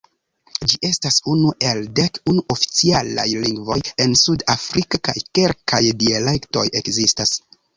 Ĝi estas unu el dek unu oficialaj lingvoj en Sud-Afriko, kaj kelkaj dialektoj ekzistas.